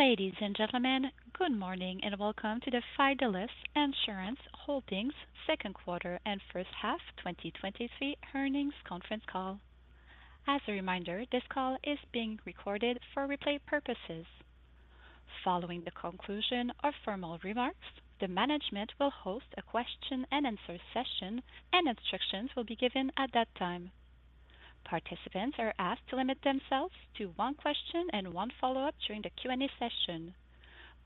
Ladies and gentlemen, good morning, and welcome to the Fidelis Insurance Holdings second quarter and first half 2023 earnings conference call. As a reminder, this call is being recorded for replay purposes. Following the conclusion of formal remarks, the management will host a question-and-answer session, and instructions will be given at that time. Participants are asked to limit themselves to one question and one follow-up during the Q&A session.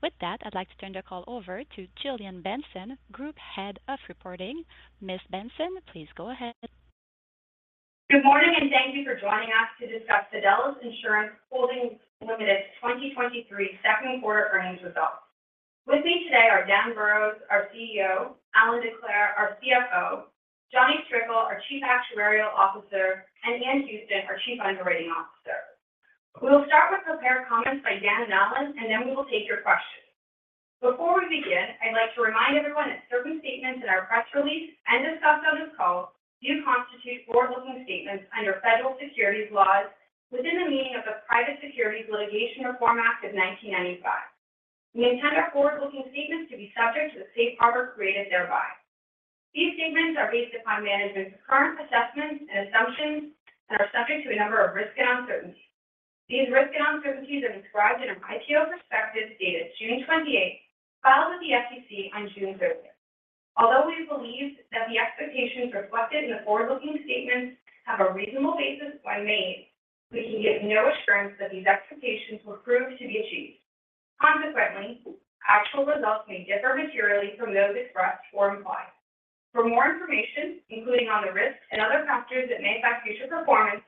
With that, I'd like to turn the call over to Gillian Benson, Group Head of Reporting. Ms. Benson, please go ahead. Good morning, and thank you for joining us to discuss Fidelis Insurance Holdings Limited 2023 second quarter earnings results. With me today are Dan Burrows, our CEO; Allan Sinclair, our CFO; Jonathan Strickle, our Chief Actuarial Officer; and Ian Houston, our Chief Underwriting Officer. We will start with prepared comments by Dan and Allan, then we will take your questions. Before we begin, I'd like to remind everyone that certain statements in our press release and discussed on this call do constitute forward-looking statements under federal securities laws within the meaning of the Private Securities Litigation Reform Act of 1995. We intend our forward-looking statements to be subject to the safe harbor created thereby. These statements are based upon management's current assessments and assumptions and are subject to a number of risks and uncertainties. These risks and uncertainties are described in our IPO perspective, dated June 28, filed with the SEC on June 30th. Although we believe that the expectations reflected in the forward-looking statements have a reasonable basis when made, we can give no assurance that these expectations will prove to be achieved. Consequently, actual results may differ materially from those expressed or implied. For more information, including on the risks and other factors that may affect future performance,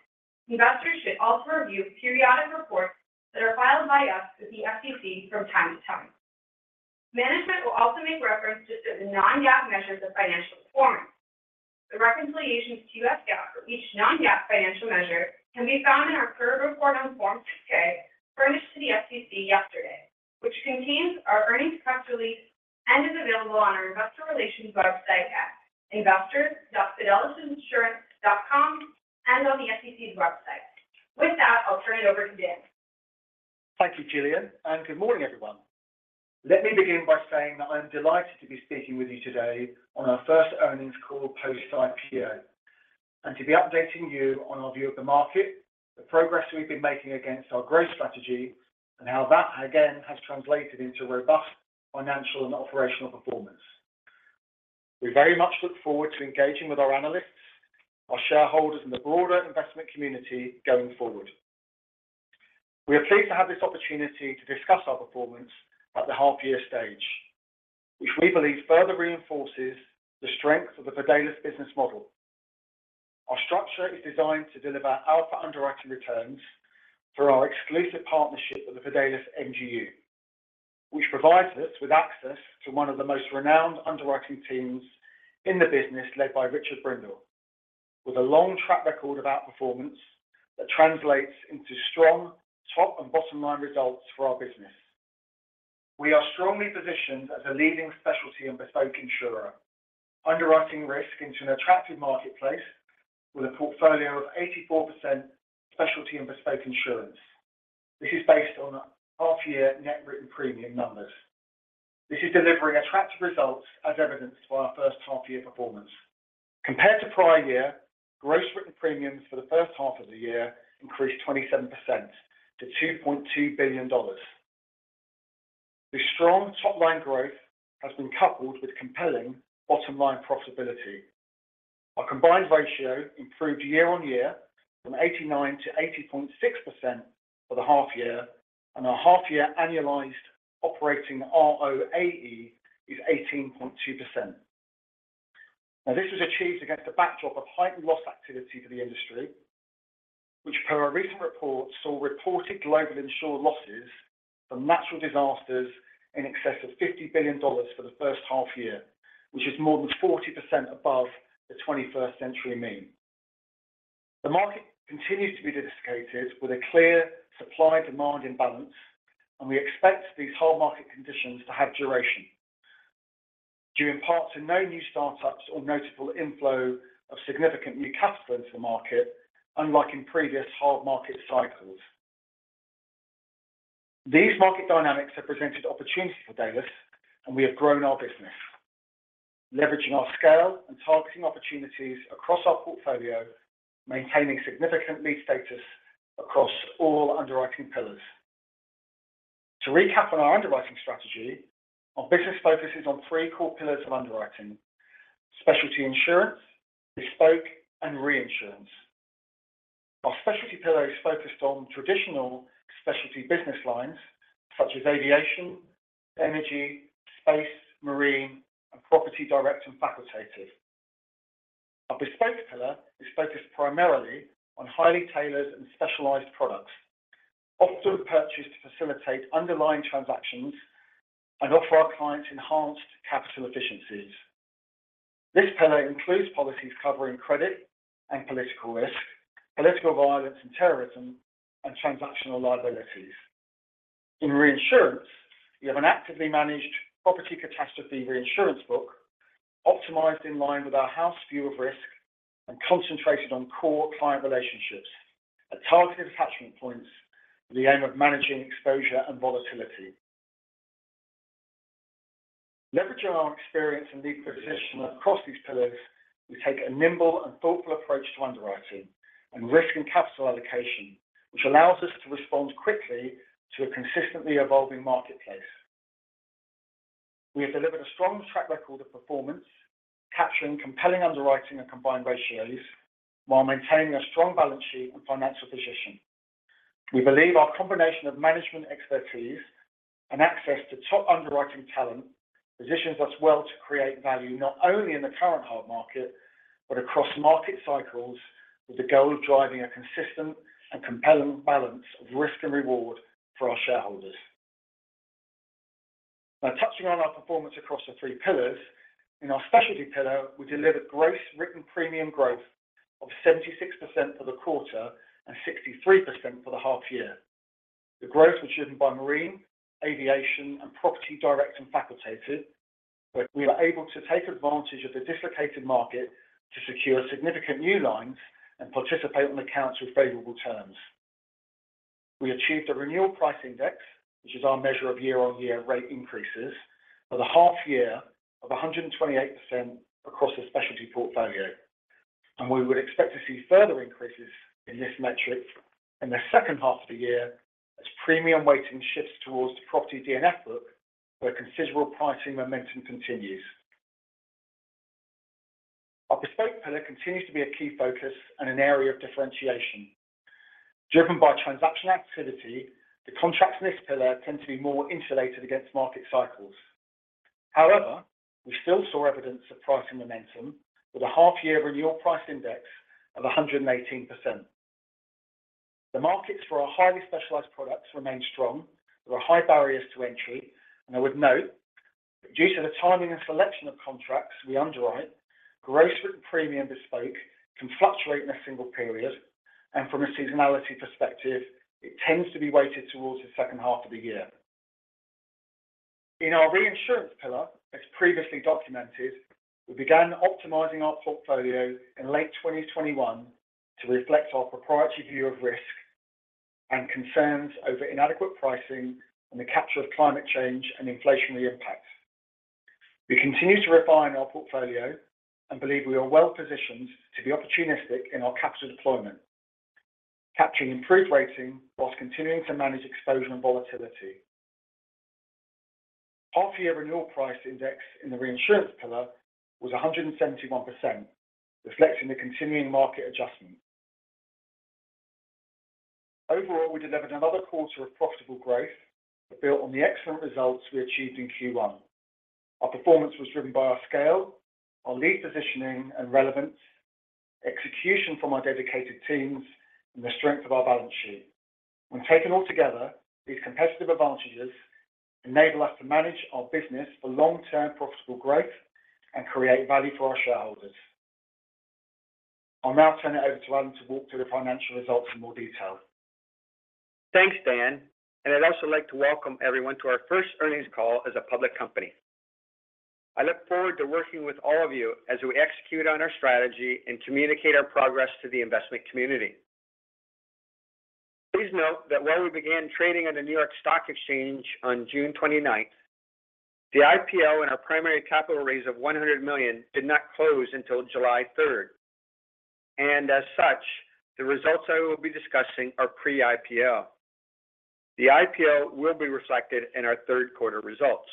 investors should also review the periodic reports that are filed by us with the SEC from time to time. Management will also make references to non-GAAP measures of financial performance. The reconciliations to GAAP for each non-GAAP financial measure can be found in our current report on Form 8-K, furnished to the SEC yesterday, which contains our earnings press release and is available on our investor relations website at investors.fidelisinsurance.com and on the SEC's website. With that, I'll turn it over to Dan. Thank you, Gillian. Good morning, everyone. Let me begin by saying that I am delighted to be speaking with you today on our first earnings call, post-IPO, and to be updating you on our view of the market, the progress we've been making against our growth strategy, and how that, again, has translated into robust financial and operational performance. We very much look forward to engaging with our analysts, our shareholders, and the broader investment community going forward. We are pleased to have this opportunity to discuss our performance at the half-year stage, which we believe further reinforces the strength of the Fidelis business model. Our structure is designed to deliver alpha underwriting returns through our exclusive partnership with the Fidelis MGU, which provides us with access to one of the most renowned underwriting teams in the business, led by Richard Brindle, with a long track record of outperformance that translates into strong top and bottom line results for our business. We are strongly positioned as a leading specialty and bespoke insurer, underwriting risk into an attractive marketplace with a portfolio of 84% specialty and bespoke insurance. This is based on half-year net written premium numbers. This is delivering attractive results, as evidenced by our first half-year performance. Compared to prior year, gross written premiums for the first half of the year increased 27% to $2.2 billion. The strong top-line growth has been coupled with compelling bottom-line profitability. Our combined ratio improved year-on-year from 89 to 80.6% for the half year, and our half-year annualized operating ROAE is 18.2%. Now, this was achieved against a backdrop of heightened loss activity for the industry, which, per a recent report, saw reported global insured losses from natural disasters in excess of $50 billion for the first half-year, which is more than 40% above the 21st century mean. The market continues to be dedicated with a clear supply-demand imbalance, and we expect these whole market conditions to have duration, due in part to no new startups or notable inflow of significant new capital into the market, unlike in previous hard market cycles. These market dynamics have presented opportunities for Fidelis, and we have grown our business, leveraging our scale and targeting opportunities across our portfolio, maintaining significant lead status across all underwriting pillars. To recap on our underwriting strategy, our business focuses on three core pillars of underwriting: specialty insurance, bespoke, and reinsurance. Our specialty pillar is focused on traditional specialty business lines such as Aviation, energy, space, marine, and Property, Direct, and Facultative. Our bespoke pillar is focused primarily on highly tailored and specialized products, often purchased to facilitate underlying transactions and offer our clients enhanced capital efficiencies. This pillar includes policies covering credit and political risk, political violence and terrorism, and transactional liabilities. In reinsurance, we have an actively managed property catastrophe reinsurance book-... optimized in line with our house view of risk and concentrated on core client relationships at targeted attachment points, with the aim of managing exposure and volatility. Leveraging our experience and lead position across these pillars, we take a nimble and thoughtful approach to underwriting and risk and capital allocation, which allows us to respond quickly to a consistently evolving marketplace. We have delivered a strong track record of performance, capturing compelling underwriting and combined ratios, while maintaining a strong balance sheet and financial position. We believe our combination of management expertise and access to top underwriting talent positions us well to create value, not only in the current hard market, but across market cycles, with the goal of driving a consistent and compelling balance of risk and reward for our shareholders. Touching on our performance across the 3 pillars, in our specialty pillar, we delivered gross written premium growth of 76% for the quarter and 63% for the half year. The growth was driven by marine, aviation, and property direct and facultative, where we were able to take advantage of the dislocated market to secure significant new lines and participate on accounts with favorable terms. We achieved a renewal price index, which is our measure of year-on-year rate increases, for the half year of 128% across the specialty portfolio, we would expect to see further increases in this metric in the second half of the year as premium weighting shifts towards the Property D&F book, where considerable pricing momentum continues. Our bespoke pillar continues to be a key focus and an area of differentiation. Driven by transactional activity, the contracts in this pillar tend to be more insulated against market cycles. However, we still saw evidence of pricing momentum with a half year renewal price index of 118%. The markets for our highly specialized products remain strong. There are high barriers to entry, and I would note that due to the timing and selection of contracts we underwrite, gross written premium bespoke can fluctuate in a single period, and from a seasonality perspective, it tends to be weighted towards the second half of the year. In our reinsurance pillar, as previously documented, we began optimizing our portfolio in late 2021 to reflect our proprietary view of risk and concerns over inadequate pricing and the capture of climate change and inflationary impacts. We continue to refine our portfolio and believe we are well positioned to be opportunistic in our capital deployment, capturing improved rating while continuing to manage exposure and volatility. Half year renewal price index in the reinsurance pillar was 171%, reflecting the continuing market adjustment. Overall, we delivered another quarter of profitable growth, built on the excellent results we achieved in Q1. Our performance was driven by our scale, our lead positioning and relevance, execution from our dedicated teams, and the strength of our balance sheet. When taken all together, these competitive advantages enable us to manage our business for long-term profitable growth and create value for our shareholders. I'll now turn it over to Allan to walk through the financial results in more detail. Thanks, Dan. I'd also like to welcome everyone to our first earnings call as a public company. I look forward to working with all of you as we execute on our strategy and communicate our progress to the investment community. Please note that while we began trading on the New York Stock Exchange on June 29th, the IPO and our primary capital raise of $100 million did not close until July 3rd. As such, the results I will be discussing are pre-IPO. The IPO will be reflected in our third quarter results.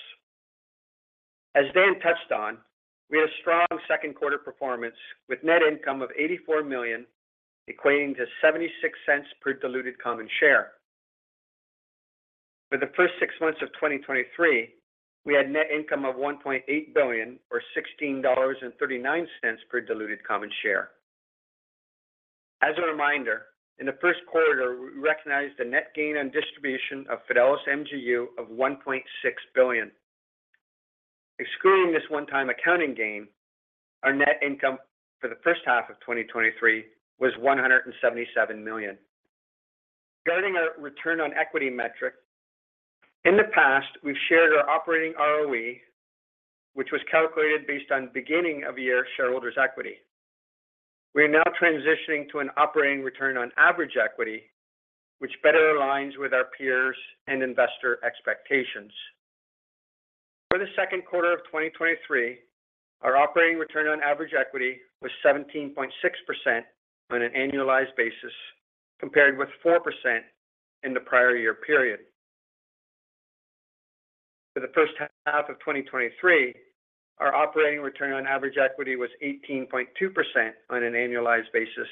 As Dan touched on, we had a strong second quarter performance, with net income of $84 million, equating to $0.76 per diluted common share. For the first six months of 2023, we had net income of $1.8 billion, or $16.39 per diluted common share. As a reminder, in the first quarter, we recognized a net gain on distribution of Fidelis MGU of $1.6 billion. Excluding this one-time accounting gain, our net income for the first half of 2023 was $177 million. Regarding our return on equity metric, in the past, we've shared our operating ROE, which was calculated based on beginning of year shareholders' equity. We are now transitioning to an operating return on average equity, which better aligns with our peers' and investor expectations. For the second quarter of 2023, our operating return on average equity was 17.6% on an annualized basis, compared with 4% in the prior year period. For the first half of 2023, our operating return on average equity was 18.2% on an annualized basis,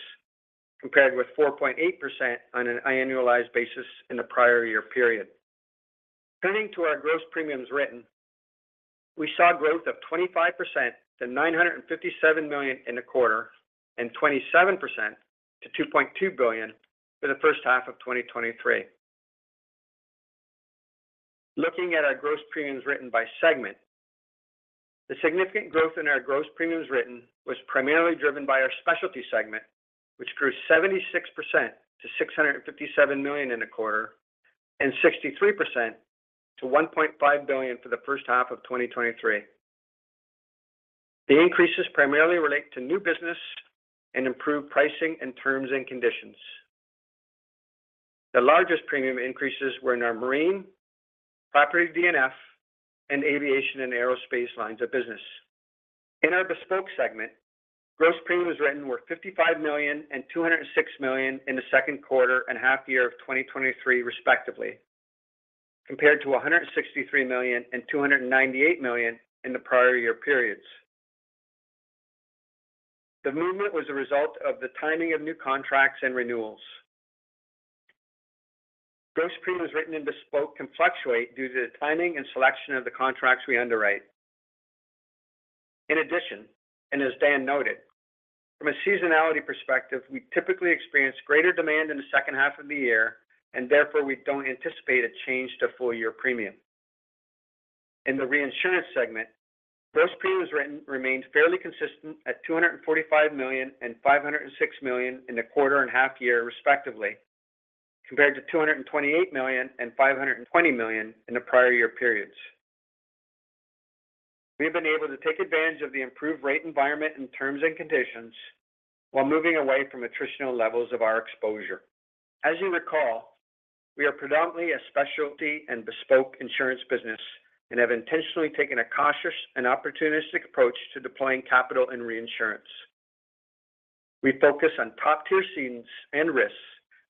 compared with 4.8% on an annualized basis in the prior year period. Turning to our gross premiums written, we saw growth of 25% to $957 million in the quarter, and 27% to $2.2 billion for the first half of 2023. Looking at our gross premiums written by segment, the significant growth in our gross premiums written was primarily driven by our specialty segment, which grew 76% to $657 million in the quarter and 63% to $1.5 billion for the first half of 2023. The increases primarily relate to new business and improved pricing and terms and conditions. The largest premium increases were in our Marine, Property D&F, and Aviation and Aerospace lines of business. In our bespoke segment, gross premiums written were $55 million and $206 million in the second quarter and half year of 2023, respectively, compared to $163 million and $298 million in the prior year periods. The movement was a result of the timing of new contracts and renewals. Gross premiums written in bespoke can fluctuate due to the timing and selection of the contracts we underwrite. In addition, and as Dan noted, from a seasonality perspective, we typically experience greater demand in the second half of the year, and therefore, we don't anticipate a change to full year premium. In the reinsurance segment, gross premiums written remains fairly consistent at $245 million and $506 million in the quarter and half year, respectively, compared to $228 million and $520 million in the prior year periods. We have been able to take advantage of the improved rate environment and terms and conditions while moving away from attritional levels of our exposure. As you recall, we are predominantly a specialty and bespoke insurance business and have intentionally taken a cautious and opportunistic approach to deploying capital and reinsurance. We focus on top-tier cedants and risks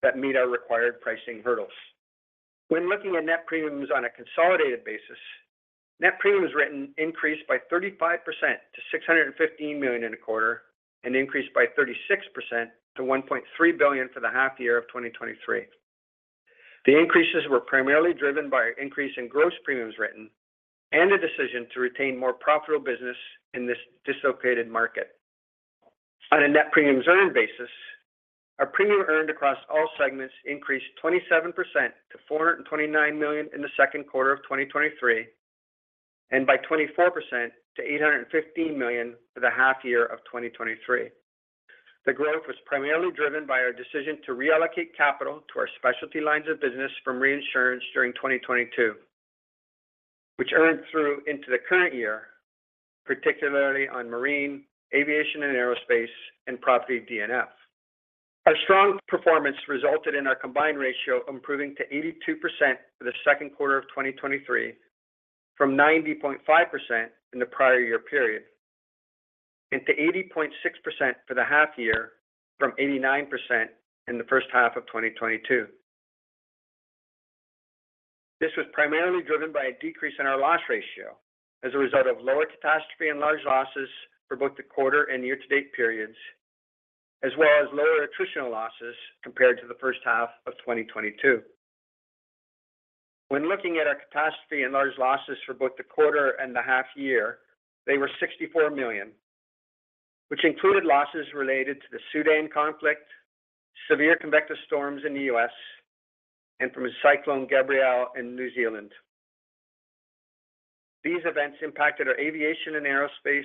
that meet our required pricing hurdles. When looking at net premiums on a consolidated basis, net premiums written increased by 35% to $615 million in a quarter, and increased by 36% to $1.3 billion for the half year of 2023. The increases were primarily driven by an increase in gross premiums written and a decision to retain more profitable business in this dislocated market. On a net premiums earned basis, our premium earned across all segments increased 27% to $429 million in the second quarter of 2023, and by 24% to $815 million for the half year of 2023. The growth was primarily driven by our decision to reallocate capital to our specialty lines of business from reinsurance during 2022, which earned through into the current year, particularly on Marine, Aviation and Aerospace, and Property D&F. Our strong performance resulted in our combined ratio improving to 82% for the second quarter of 2023, from 90.5% in the prior year period, and to 80.6% for the half year, from 89% in the first half of 2022. This was primarily driven by a decrease in our loss ratio as a result of lower catastrophe and large losses for both the quarter and year-to-date periods, as well as lower attritional losses compared to the first half of 2022. When looking at our catastrophe and large losses for both the quarter and the half year, they were $64 million, which included losses related to the Sudan conflict, severe convective storms in the U.S., and from Cyclone Gabrielle in New Zealand. These events impacted our Aviation and Aerospace,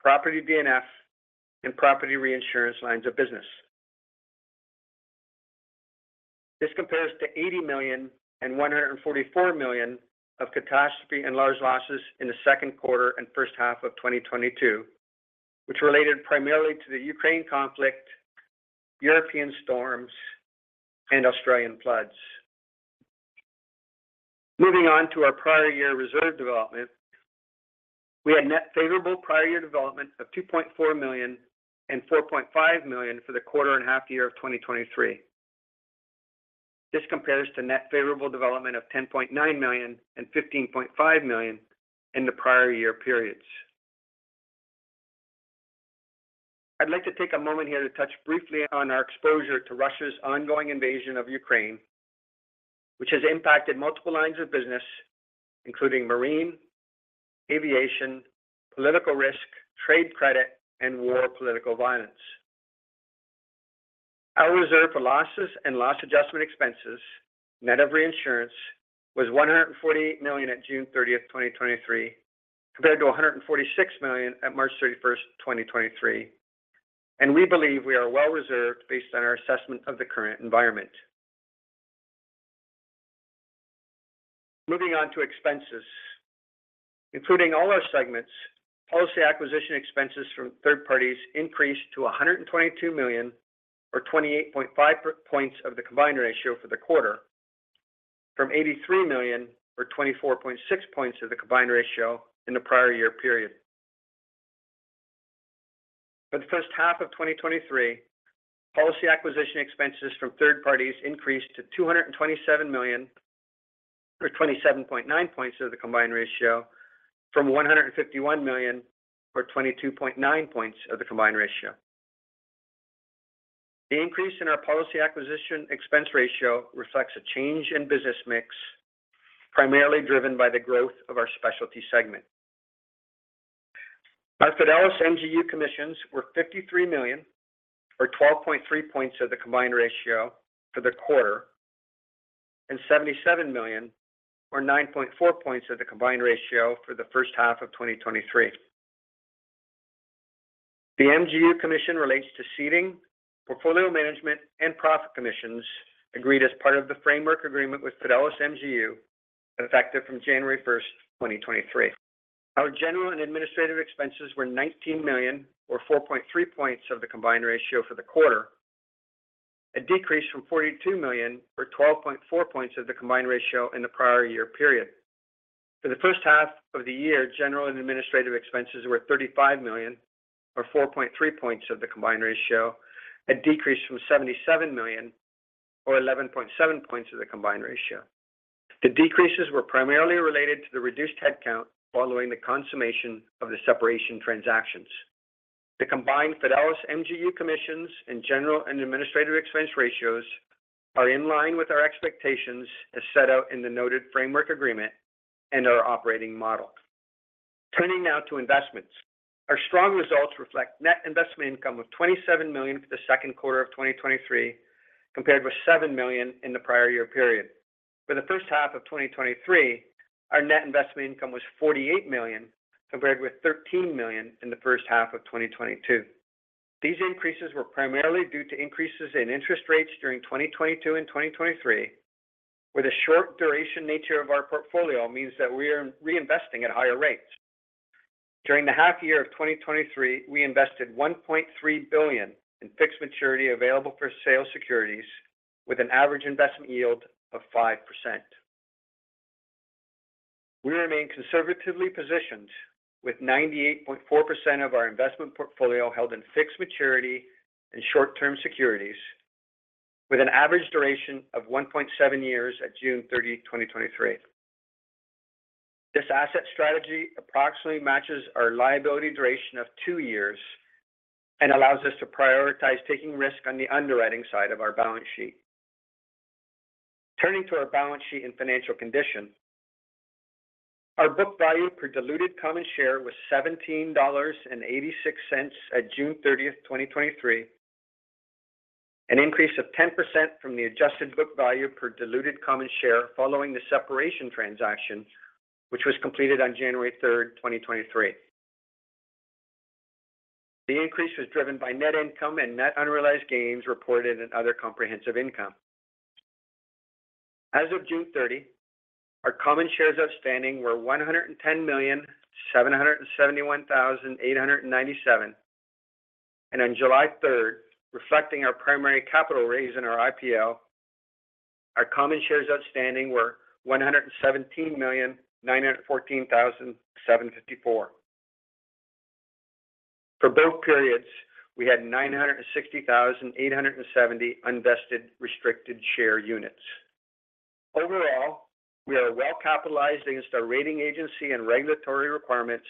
Property D&F, and Property reinsurance lines of business. This compares to $80 million and $144 million of catastrophe and large losses in the 2Q and H1 of 2022, which related primarily to the Ukraine conflict, European storms, and Australian floods. Moving on to our prior year reserve development, we had net favorable prior year development of $2.4 million and $4.5 million for the Q and H1 of 2023. This compares to net favorable development of $10.9 million and $15.5 million in the prior year periods. I'd like to take a moment here to touch briefly on our exposure to Russia's ongoing invasion of Ukraine, which has impacted multiple lines of business, including marine, aviation, political risk, trade credit, and war political violence. Our reserve for losses and loss adjustment expenses, net of reinsurance, was $148 million at June 30th, 2023, compared to $146 million at March 31st, 2023. We believe we are well reserved based on our assessment of the current environment. Moving on to expenses. Including all our segments, policy acquisition expenses from third parties increased to $122 million or 28.5 points of the combined ratio for the quarter, from $83 million or 24.6 points of the combined ratio in the prior year period. For the first half of 2023, policy acquisition expenses from third parties increased to $227 million or 27.9 points of the combined ratio, from $151 million or 22.9 points of the combined ratio. The increase in our policy acquisition expense ratio reflects a change in business mix, primarily driven by the growth of our specialty segment. Our Fidelis MGU commissions were $53 million or 12.3 points of the combined ratio for the quarter, and $77 million or 9.4 points of the combined ratio for the first half of 2023. The MGU commission relates to ceding, portfolio management, and property commissions agreed as part of the framework agreement with Fidelis MGU, effective from January first, 2023. Our general and administrative expenses were $19 million, or 4.3 points of the combined ratio for the quarter, a decrease from $42 million, or 12.4 points of the combined ratio in the prior year period. For the first half of the year, general and administrative expenses were $35 million, or 4.3 points of the combined ratio, a decrease from $77 million, or 11.7 points of the combined ratio. The decreases were primarily related to the reduced headcount following the consummation of the separation transactions. The combined Fidelis MGU commissions and general and administrative expense ratios are in line with our expectations as set out in the noted framework agreement and our operating model. Turning now to investments. Our strong results reflect net investment income of $27 million for the second quarter of 2023, compared with $7 million in the prior year period. For the first half of 2023, our net investment income was $48 million, compared with $13 million in the first half of 2022. These increases were primarily due to increases in interest rates during 2022 and 2023, where the short duration nature of our portfolio means that we are reinvesting at higher rates. During the half year of 2023, we invested $1.3 billion in fixed maturity available-for-sale securities with an average investment yield of 5%. We remain conservatively positioned with 98.4% of our investment portfolio held in fixed maturity and short-term securities, with an average duration of 1.7 years at June 30, 2023. This asset strategy approximately matches our liability duration of 2 years and allows us to prioritize taking risk on the underwriting side of our balance sheet. Turning to our balance sheet and financial condition. Our book value per diluted common share was $17.86 at June 30th, 2023, an increase of 10% from the adjusted book value per diluted common share following the separation transaction, which was completed on January 3rd, 2023. The increase was driven by net income and net unrealized gains reported in other comprehensive income. As of June 30, our common shares outstanding were 110,771,897, and on July 3rd, reflecting our primary capital raise in our IPO, our common shares outstanding were 117,914,754. For both periods, we had 960,870 unvested restricted share units. Overall, we are well capitalized against our rating agency and regulatory requirements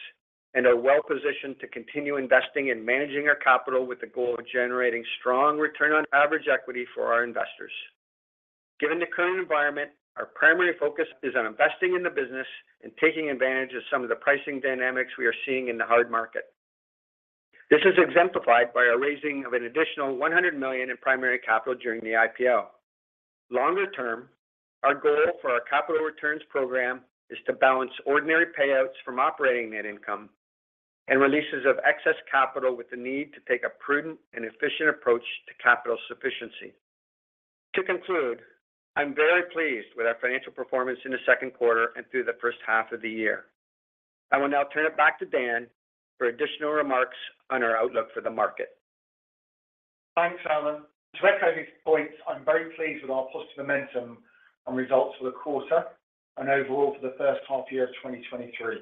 and are well positioned to continue investing and managing our capital with the goal of generating strong return on average equity for our investors. Given the current environment, our primary focus is on investing in the business and taking advantage of some of the pricing dynamics we are seeing in the hard market. This is exemplified by our raising of an additional $100 million in primary capital during the IPO. Longer term, our goal for our capital returns program is to balance ordinary payouts from operating net income and releases of excess capital with the need to take a prudent and efficient approach to capital sufficiency. To conclude, I'm very pleased with our financial performance in the second quarter and through the first half of the year. I will now turn it back to Dan for additional remarks on our outlook for the market. Thanks, Allan. To echo these points, I'm very pleased with our positive momentum and results for the quarter and overall for the first half year of 2023.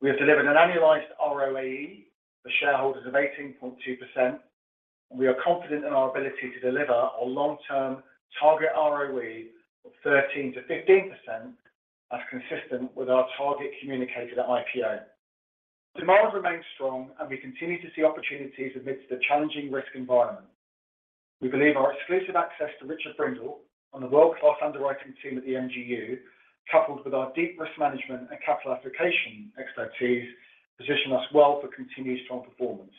We have delivered an annualized ROAE for shareholders of 18.2%, and we are confident in our ability to deliver a long-term target ROE of 13%-15%, as consistent with our target communicated at IPO. Demand remains strong, and we continue to see opportunities amidst the challenging risk environment. We believe our exclusive access to Richard Brindle and the world-class underwriting team at the MGU, coupled with our deep risk management and capital application expertise, position us well for continued strong performance.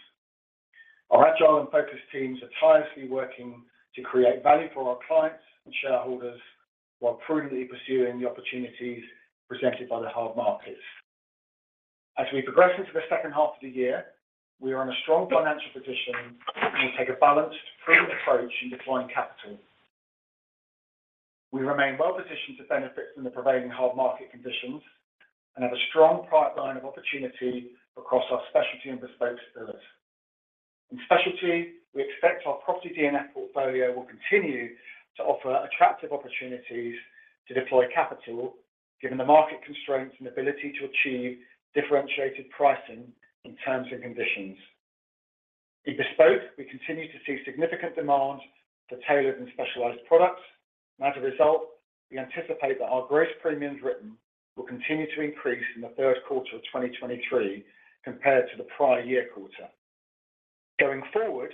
Our agile and focused teams are tirelessly working to create value for our clients and shareholders while prudently pursuing the opportunities presented by the hard markets. As we progress into the second half of the year, we are in a strong financial position and will take a balanced, prudent approach in deploying capital. We remain well positioned to benefit from the prevailing hard market conditions and have a strong pipeline of opportunity across our specialty and bespoke pillars. In specialty, we expect our Property D&F portfolio will continue to offer attractive opportunities to deploy capital, given the market constraints and ability to achieve differentiated pricing in terms and conditions. As a result, we anticipate that our gross premiums written will continue to increase in the third quarter of 2023 compared to the prior year quarter. Going forward,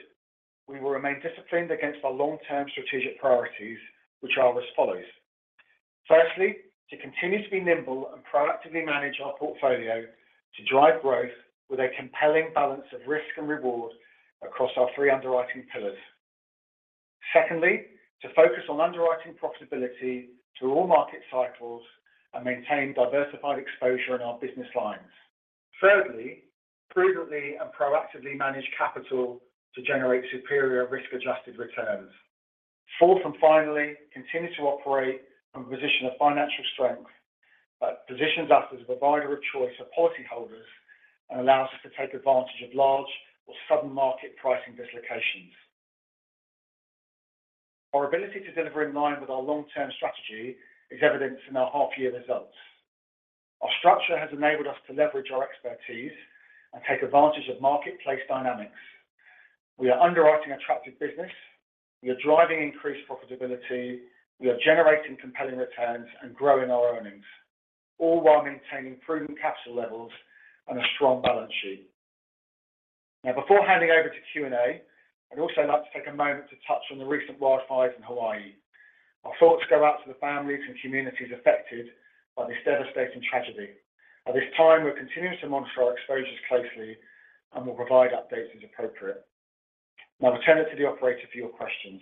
we will remain disciplined against our long-term strategic priorities, which are as follows: firstly, to continue to be nimble and proactively manage our portfolio to drive growth with a compelling balance of risk and reward across our three underwriting pillars. Secondly, to focus on underwriting profitability through all market cycles and maintain diversified exposure in our business lines. Thirdly, prudently and proactively manage capital to generate superior risk-adjusted returns. Fourth, and finally, continue to operate from a position of financial strength that positions us as a provider of choice for policyholders and allows us to take advantage of large or sudden market pricing dislocations. Our ability to deliver in line with our long-term strategy is evidenced in our half-year results. Our structure has enabled us to leverage our expertise and take advantage of marketplace dynamics. We are underwriting attractive business, we are driving increased profitability, we are generating compelling returns and growing our earnings, all while maintaining prudent capital levels and a strong balance sheet. Before handing over to Q&A, I'd also like to take a moment to touch on the recent wildfires in Hawaii. Our thoughts go out to the families and communities affected by this devastating tragedy. At this time, we're continuing to monitor our exposures closely, and we'll provide updates as appropriate. I'll turn it to the operator for your questions.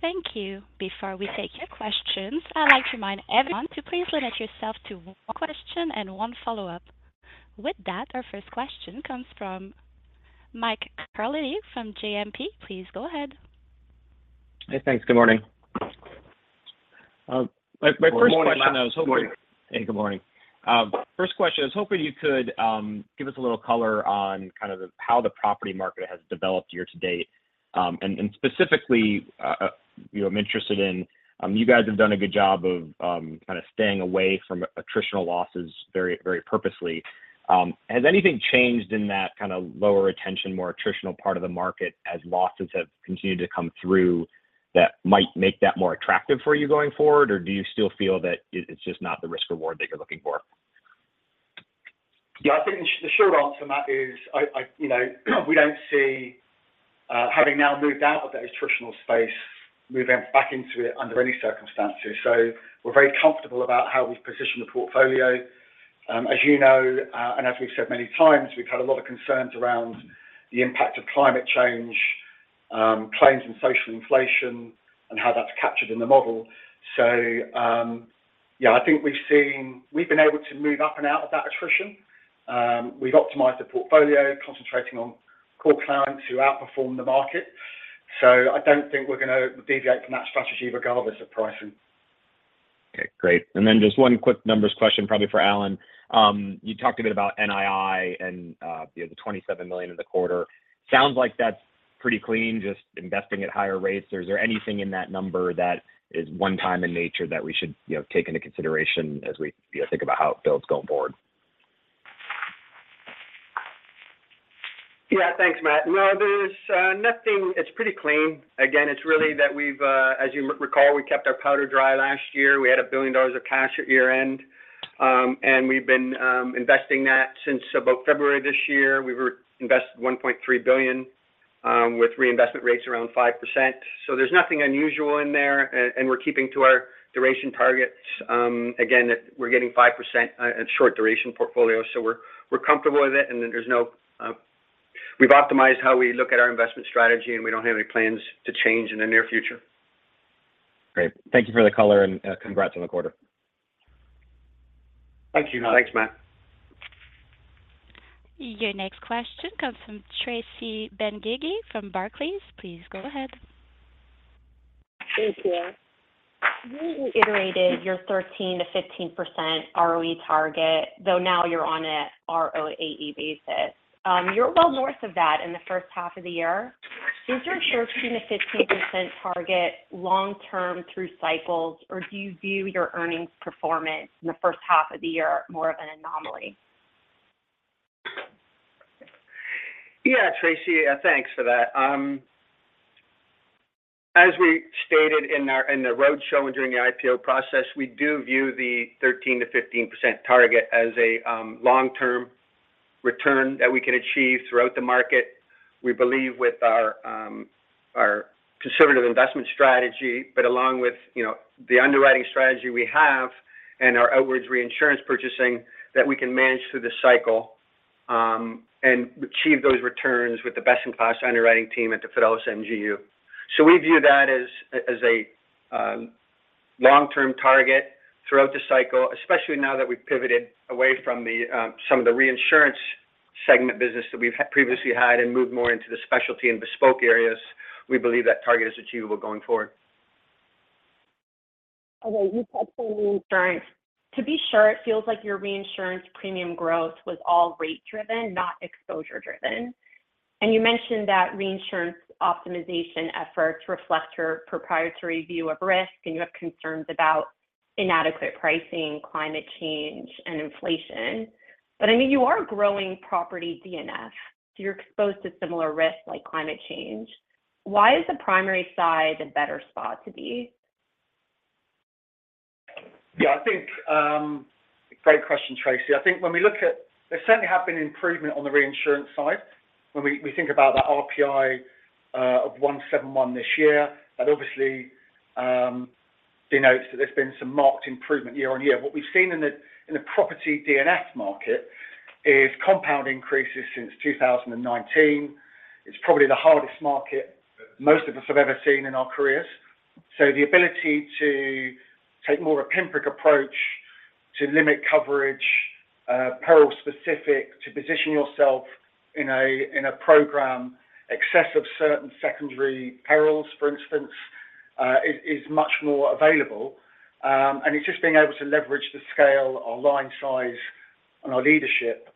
Thank you. Before we take your questions, I'd like to remind everyone to please limit yourself to one question and one follow-up. With that, our first question comes from Mike Carlin from JMP. Please go ahead. Hey, thanks. Good morning. my, my first question, I was hoping- Good morning. Hey, good morning. First question, I was hoping you could give us a little color on kind of how the property market has developed year to date. Specifically, you know, I'm interested in... You guys have done a good job of kind of staying away from attritional losses very, very purposely. Has anything changed in that kind of lower retention, more attritional part of the market as losses have continued to come through, that might make that more attractive for you going forward? Or do you still feel that it, it's just not the risk reward that you're looking for? Yeah, I think the, the short answer, Mike, is I, I, you know, we don't see having now moved out of that attritional space, moving back into it under any circumstances. We're very comfortable about how we've positioned the portfolio. As you know, and as we've said many times, we've had a lot of concerns around the impact of climate change, claims and social inflation, and how that's captured in the model. Yeah, I think we've been able to move up and out of that attrition. We've optimized the portfolio, concentrating on core clients who outperform the market. I don't think we're gonna deviate from that strategy regardless of pricing. Okay, great. Then just one quick numbers question, probably for Allan. You talked a bit about NII and, you know, the $27 million in the quarter. Sounds like that's pretty clean, just investing at higher rates. Is there anything in that number that is one-time in nature that we should, you know, take into consideration as we, you know, think about how it builds going forward? Yeah. Thanks, Mike. No, there's nothing. It's pretty clean. Again, it's really that we've... As you recall, we kept our powder dry last year. We had $1 billion of cash at year-end. We've been investing that since about February this year. We've invested $1.3 billion with reinvestment rates around 5%. There's nothing unusual in there, and we're keeping to our duration targets. Again, that we're getting 5% in short duration portfolio, so we're comfortable with it, and then there's no. We've optimized how we look at our investment strategy, and we don't have any plans to change in the near future. Great. Thank you for the color, and congrats on the quarter. Thank you. Thanks, Mike. Your next question comes from Tracy Benguigui from Barclays. Please go ahead. Thank you. You iterated your 13%-15% ROE target, though now you're on a ROAE basis. You're well north of that in the first half of the year. Is your 13%-15% target long term through cycles, or do you view your earnings performance in the first half of the year more of an anomaly? Yeah, Tracy, thanks for that. As we stated in the roadshow and during the IPO process, we do view the 13%-15% target as a long-term return that we can achieve throughout the market. We believe with our conservative investment strategy, but along with, you know, the underwriting strategy we have and our outwards reinsurance purchasing, that we can manage through the cycle and achieve those returns with the best-in-class underwriting team at the Fidelis MGU. We view that as, as a long-term target throughout the cycle, especially now that we've pivoted away from the some of the reinsurance segment business that we've had previously had and moved more into the specialty and bespoke areas. We believe that target is achievable going forward. Okay, you talked about reinsurance. To be sure, it feels like your reinsurance premium growth was all rate driven, not exposure driven. You mentioned that reinsurance optimization efforts reflect your proprietary view of risk, and you have concerns about inadequate pricing, climate change, and inflation. I mean, you are growing Property D&F, so you're exposed to similar risks like climate change. Why is the primary side a better spot to be? Yeah, I think. Great question, Tracy. I think when we look, there certainly have been improvement on the reinsurance side. When we think about that RPI of 171 this year. That obviously denotes that there's been some marked improvement year on year. What we've seen in the Property D&F market is compound increases since 2019. It's probably the hardest market most of us have ever seen in our careers. The ability to take more of a pinprick approach to limit coverage, peril specific, to position yourself in a program, excess of certain secondary perils, for instance, is much more available. It's just being able to leverage the scale, our line size, and our leadership.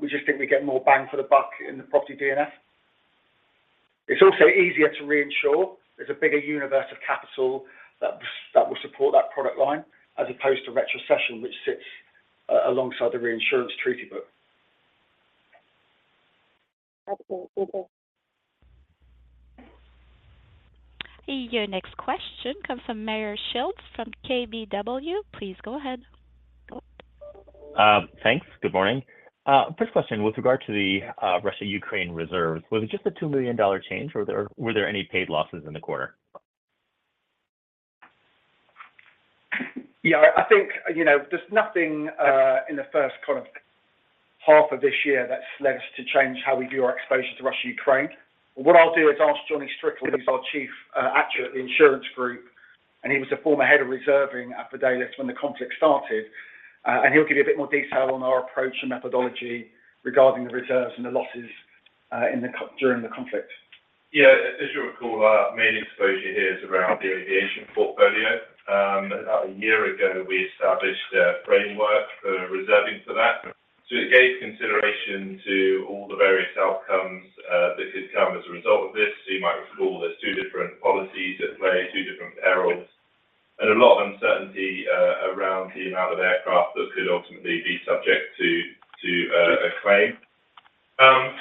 We just think we get more bang for the buck in the Property D&F. It's also easier to reinsure. There's a bigger universe of capital that, that will support that product line, as opposed to retrocession, which sits alongside the reinsurance treaty book. Okay. Thank you. Your next question comes from Meyer Shields from KBW. Please go ahead. Thanks. Good morning. First question, with regard to the Russia-Ukraine reserves, was it just a $2 million change, or were there any paid losses in the quarter? Yeah, I think, you know, there's nothing in the first kind of half of this year that's led us to change how we view our exposure to Russia, Ukraine. What I'll do is ask Jonathan Strickle, who's our Chief Actuary at the insurance group, and he was the former head of reserving at Fidelis when the conflict started. He'll give you a bit more detail on our approach and methodology regarding the reserves and the losses during the conflict. Yeah. As you'll recall, our main exposure here is around the aviation portfolio. About a year ago, we established a framework for reserving for that. It gave consideration to all the various outcomes that could come as a result of this. You might recall there's two different policies at play, two different perils, and a lot of uncertainty around the amount of aircraft that could ultimately be subject to a claim.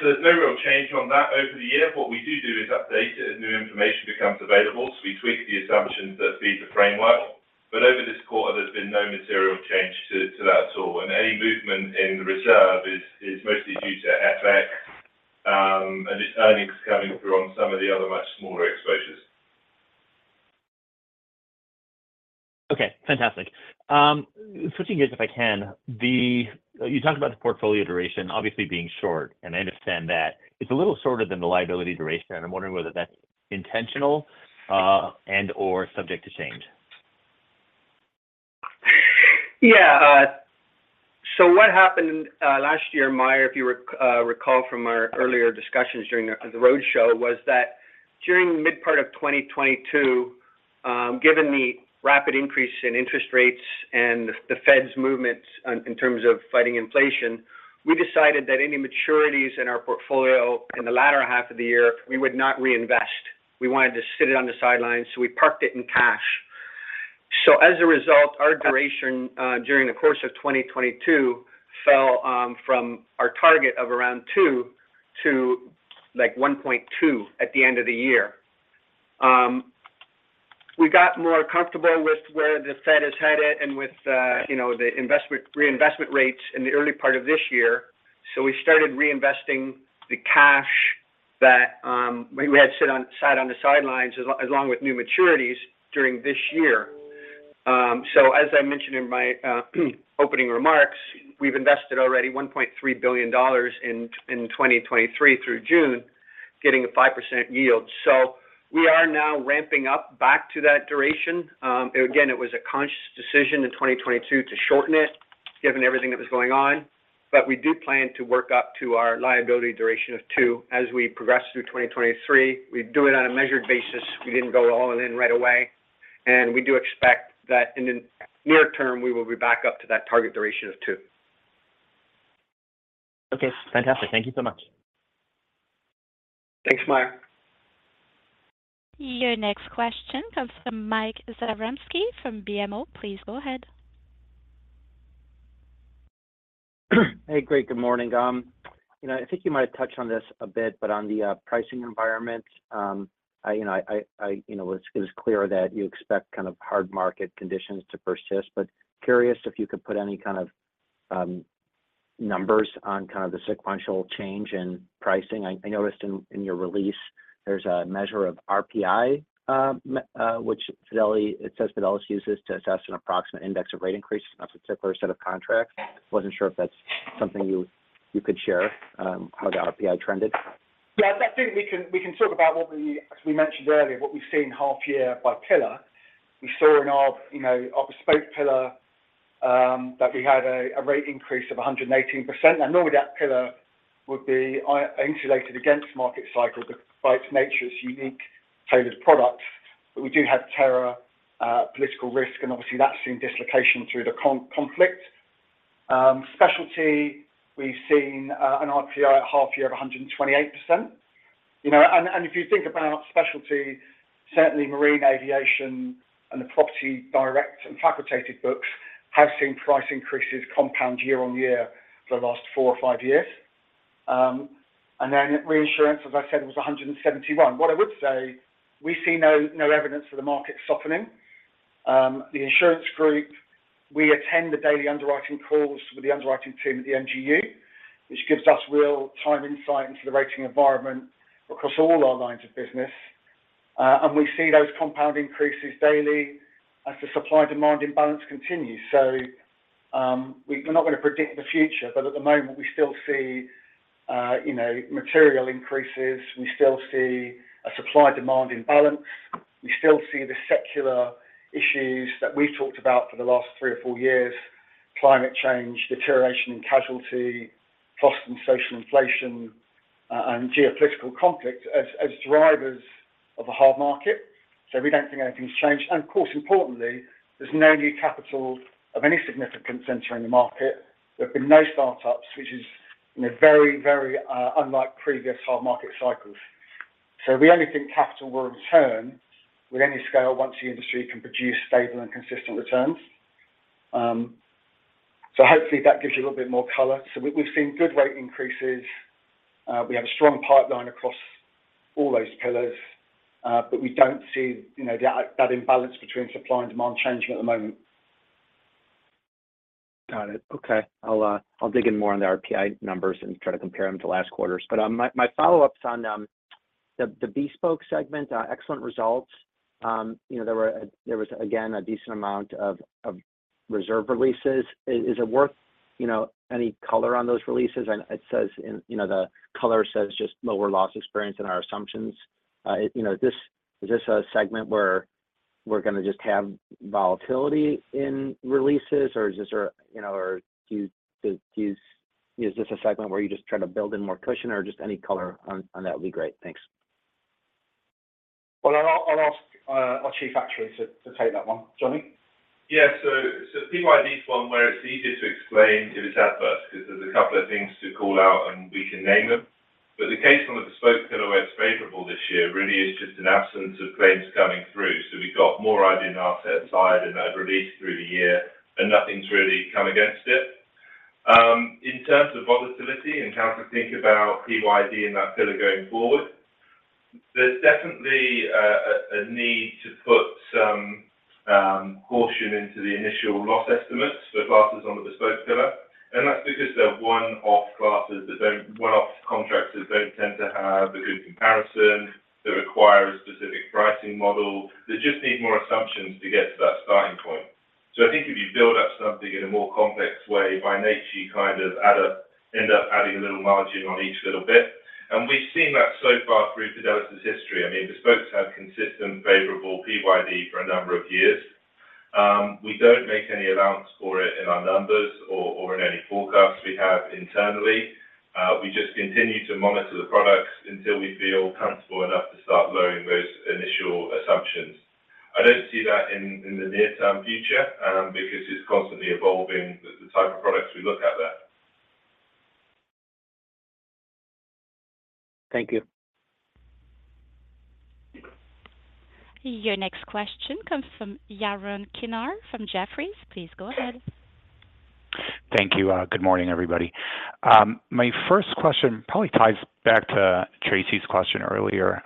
There's no real change on that over the year. What we do do is update it as new information becomes available. We tweak the assumptions that feed the framework. Over this quarter, there's been no material change to that at all. Any movement in the reserve is mostly due to FX, and its earnings coming through on some of the other much smaller exposures. Okay, fantastic. Switching gears, if I can. You talked about the portfolio duration, obviously being short. I understand that it's a little shorter than the liability duration. I'm wondering whether that's intentional, and/or subject to change? Yeah, so what happened last year, Meyer, if you recall from our earlier discussions during the roadshow, was that during mid part of 2022, given the rapid increase in interest rates and the Fed's movements in terms of fighting inflation, we decided that any maturities in our portfolio in the latter half of the year, we would not reinvest. We wanted to sit it on the sidelines, so we parked it in cash. As a result, our duration during the course of 2022, fell from our target of around 2 to, like, 1.2 at the end of the year. We got more comfortable with where the Fed has had it and with, you know, the investment, reinvestment rates in the early part of this year. We started reinvesting the cash that we had sat on the sidelines, along with new maturities during this year. As I mentioned in my opening remarks, we've invested already $1.3 billion in 2023 through June, getting a 5% yield. We are now ramping up back to that duration. Again, it was a conscious decision in 2022 to shorten it, given everything that was going on, but we do plan to work up to our liability duration of 2 as we progress through 2023. We do it on a measured basis. We didn't go all in right away, and we do expect that in the near term, we will be back up to that target duration of 2. Okay, fantastic. Thank you so much. Thanks, Meyer. Your next question comes from Michael Zaremski from BMO. Please go ahead. Hey, great, good morning. You know, I think you might have touched on this a bit, but on the pricing environment, I, you know, I, I, you know, it's, it's clear that you expect kind of hard market conditions to persist, but curious if you could put any kind of numbers on kind of the sequential change in pricing. I, I noticed in, in your release, there's a measure of RPI, which Fidelis, it says Fidelis uses to assess an approximate index of rate increases on a particular set of contracts. Wasn't sure if that's something you, you could share, how the RPI trended? Yeah, I think we can, we can talk about what we, as we mentioned earlier, what we've seen half-year by pillar. We saw in our, you know, our bespoke pillar that we had a rate increase of 118%. Normally, that pillar would be insulated against market cycle, but by its nature, it's unique tailored product. We do have terror, political risk, and obviously, that's seen dislocation through the conflict. Specialty, we've seen an RPI at half-year of 128%. You know, if you think about specialty, certainly marine aviation and the property direct and facultative books have seen price increases compound year on year for the last 4 or 5 years. Then reinsurance, as I said, was 171. What I would say, we see no, no evidence of the market softening. The insurance group, we attend the daily underwriting calls with the underwriting team at the MGU. which gives us real-time insight into the rating environment across all our lines of business. We see those compound increases daily as the supply-demand imbalance continues. We're not going to predict the future, but at the moment, we still see, you know, material increases. We still see a supply-demand imbalance. We still see the secular issues that we've talked about for the last 3 or 4 years: climate change, deterioration in casualty, cost and social inflation, and geopolitical conflict as, as drivers of a hard market. We don't think anything's changed. Of course, importantly, there's no new capital of any significant center in the market. There have been no startups, which is, you know, very, very, unlike previous hard market cycles. We only think capital will return with any scale once the industry can produce stable and consistent returns. Hopefully that gives you a little bit more color. We've seen good rate increases. We have a strong pipeline across all those pillars, but we don't see, you know, that, that imbalance between supply and demand changing at the moment. Got it. Okay. I'll, I'll dig in more on the RPI numbers and try to compare them to last quarter's. My, my follow-up's on, the, the Bespoke segment, excellent results. You know, there were, there was, again, a decent amount of, of reserve releases. Is, is it worth, you know, any color on those releases? And it says in... you know, the color says just lower loss experience than our assumptions. You know, is this, is this a segment where we're going to just have volatility in releases, or, you know, or do you, is this a segment where you just try to build in more cushion or just any color on, on that would be great? Thanks. Well, I'll, I'll ask our Chief Actuary to, to take that one. Johnny? Yeah. PYD is one where it's easier to explain if it's adverse, because there's a couple of things to call out, and we can name them. The case on the Bespoke pillar, where it's favorable this year, really is just an absence of claims coming through. We've got more idea in our set side than I've released through the year, and nothing's really come against it. In terms of volatility and how to think about PYD in that pillar going forward, there's definitely a need to put some caution into the initial loss estimates for classes on the Bespoke pillar, and that's because they're one-off classes that one-off contracts that don't tend to have a good comparison. They require a specific pricing model. They just need more assumptions to get to that starting point. I think if you build up something in a more complex way, by nature, you kind of end up adding a little margin on each little bit. We've seen that so far through Fidelis' history. I mean, Bespoke have consistent, favorable PYD for a number of years. We don't make any allowance for it in our numbers or, or in any forecasts we have internally. We just continue to monitor the products until we feel comfortable enough to start lowering those initial assumptions. I don't see that in, in the near-term future, because it's constantly evolving with the type of products we look at there. Thank you. Your next question comes from Yaron Kinar from Jefferies. Please go ahead. Thank you. Good morning, everybody. My first question probably ties back to Tracy's question earlier,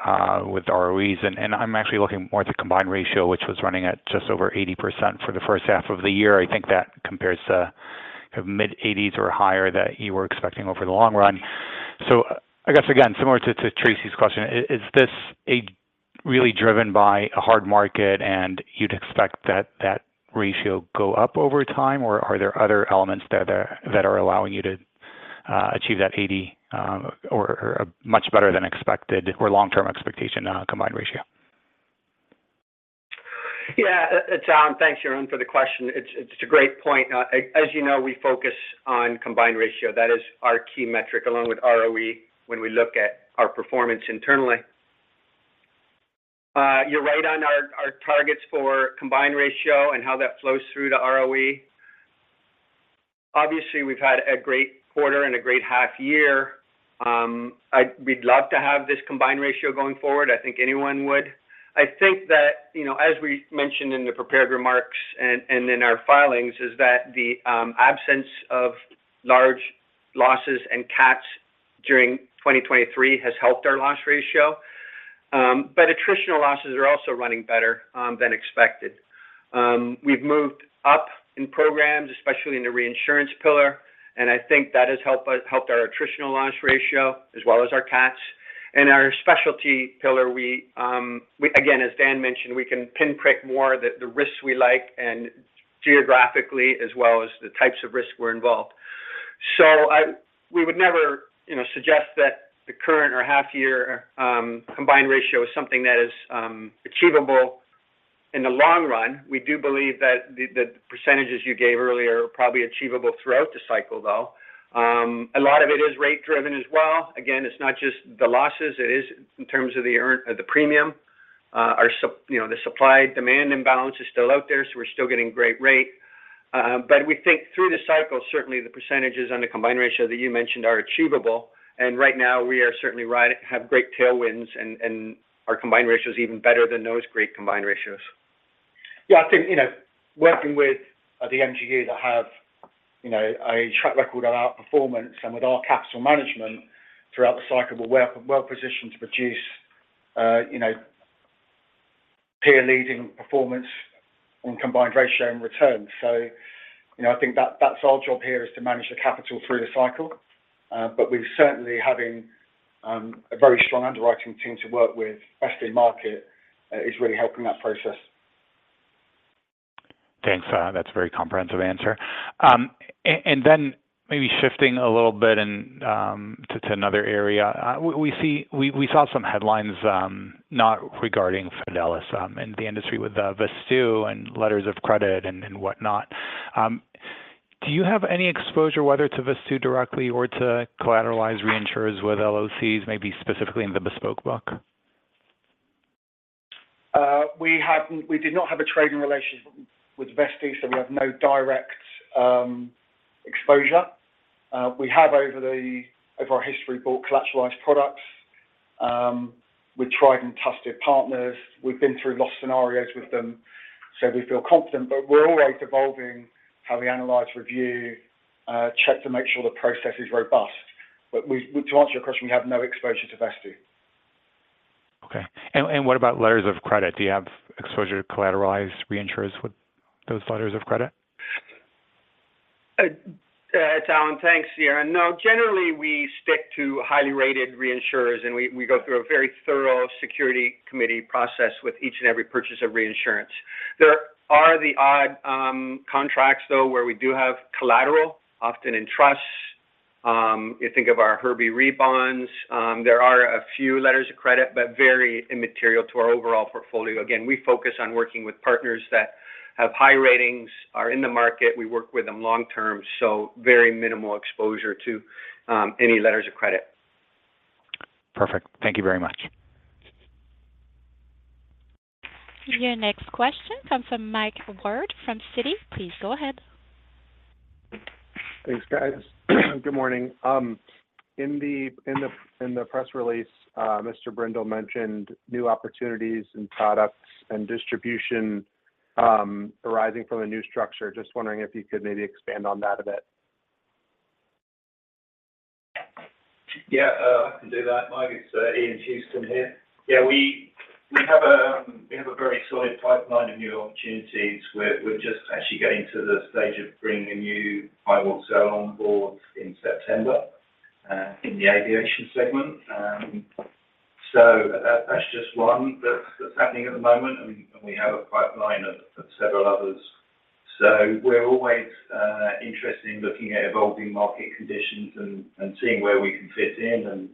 with ROEs, and, and I'm actually looking more at the combined ratio, which was running at just over 80% for the first half of the year. I think that compares to mid-80s or higher that you were expecting over the long run. I guess, again, similar to, to Tracy's question, is, is this a really driven by a hard market, and you'd expect that that ratio go up over time, or are there other elements that are, that are allowing you to achieve that 80, or, or a much better than expected or long-term expectation, combined ratio? Yeah, it's Allan. Thanks, Yaron, for the question. It's, it's a great point. As you know, we focus on combined ratio. That is our key metric, along with ROE, when we look at our performance internally. You're right on our, our targets for combined ratio and how that flows through to ROE. Obviously, we've had a great quarter and a great half year. We'd love to have this combined ratio going forward. I think anyone would. I think that, you know, as we mentioned in the prepared remarks and, and in our filings, is that the absence of large losses and cats during 2023 has helped our loss ratio. Attritional losses are also running better than expected. We've moved up in programs, especially in the reinsurance pillar, and I think that has helped us, helped our attritional loss ratio, as well as our cats. In our specialty pillar, we, again, as Dan mentioned, we can pinprick more the, the risks we like, and geographically, as well as the types of risks we're involved. We would never, you know, suggest that the current or half year combined ratio is something that is achievable in the long run. We do believe that the, the percentages you gave earlier are probably achievable throughout the cycle, though. A lot of it is rate driven as well. It's not just the losses, it is in terms of the earn, the premium. Our, you know, the supply-demand imbalance is still out there, so we're still getting great rate. We think through the cycle, certainly the percentages on the combined ratio that you mentioned are achievable, and right now we are certainly riding-- have great tailwinds, and our combined ratio is even better than those great combined ratios. Yeah, I think, you know, working with the MGU that have, you know, a track record on our performance and with our capital management throughout the cycle, we're well, well-positioned to produce, you know.... peer leading performance on combined ratio and returns. You know, I think that, that's our job here, is to manage the capital through the cycle. We're certainly having a very strong underwriting team to work with. Best in market is really helping that process. Thanks. That's a very comprehensive answer. Then maybe shifting a little bit in to another area. We saw some headlines not regarding Fidelis and the industry with Vesttoo and letters of credit and whatnot. Do you have any exposure, whether to Vesttoo directly or to collateralized reinsurers with LOCs, maybe specifically in the bespoke book? We did not have a trading relationship with Vesttoo, so we have no direct exposure. We have, over the, over our history, bought collateralized products with tried and trusted partners. We've been through loss scenarios with them, so we feel confident. We're always evolving how we analyze, review, check to make sure the process is robust. To answer your question, we have no exposure to Vesttoo. Okay. What about letters of credit? Do you have exposure to collateralized reinsurers with those letters of credit? It's Allan. Thanks, Yaron. Generally, we stick to highly rated reinsurers, and we, we go through a very thorough security committee process with each and every purchase of reinsurance. There are the odd contracts, though, where we do have collateral, often in trusts. You think of our Herbie Re bonds. There are a few letters of credit, but very immaterial to our overall portfolio. Again, we focus on working with partners that have high ratings, are in the market. We work with them long term, so very minimal exposure to any letters of credit. Perfect. Thank you very much. Your next question comes from Mike Ward from Citi. Please go ahead. Thanks, guys. Good morning. In the press release, Mr. Brindle mentioned new opportunities and products and distribution, arising from the new structure. Just wondering if you could maybe expand on that a bit? Yeah, I can do that, Mike. It's Ian Houston here. Yeah, we, we have a, we have a very solid pipeline of new opportunities. We're, we're just actually getting to the stage of bringing a new buy or sell on board in September, in the aviation segment. That's just one that's, that's happening at the moment, and we, and we have a pipeline of, of several others. We're always interested in looking at evolving market conditions and, and seeing where we can fit in,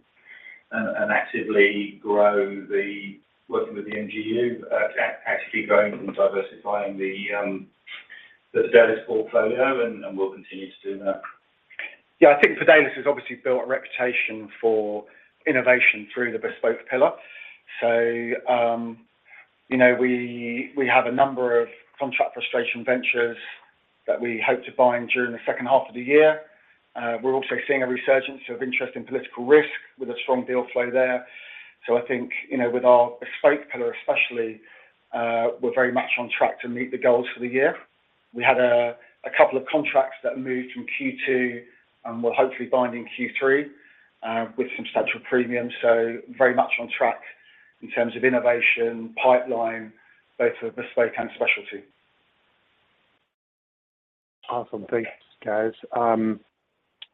and actively grow the work with the MGU, actively growing and diversifying the Fidelis portfolio, and, and we'll continue to do that. Yeah, I think Fidelis has obviously built a reputation for innovation through the bespoke pillar. You know, we, we have a number of contract frustration ventures that we hope to bind during the second half of the year. We're also seeing a resurgence of interest in political risk, with a strong deal flow there. I think, you know, with our bespoke pillar especially, we're very much on track to meet the goals for the year. We had a, a couple of contracts that moved from Q2, and we'll hopefully bind in Q3, with some substantial premium. Very much on track in terms of innovation, pipeline, both for bespoke and specialty. Awesome. Thanks, guys.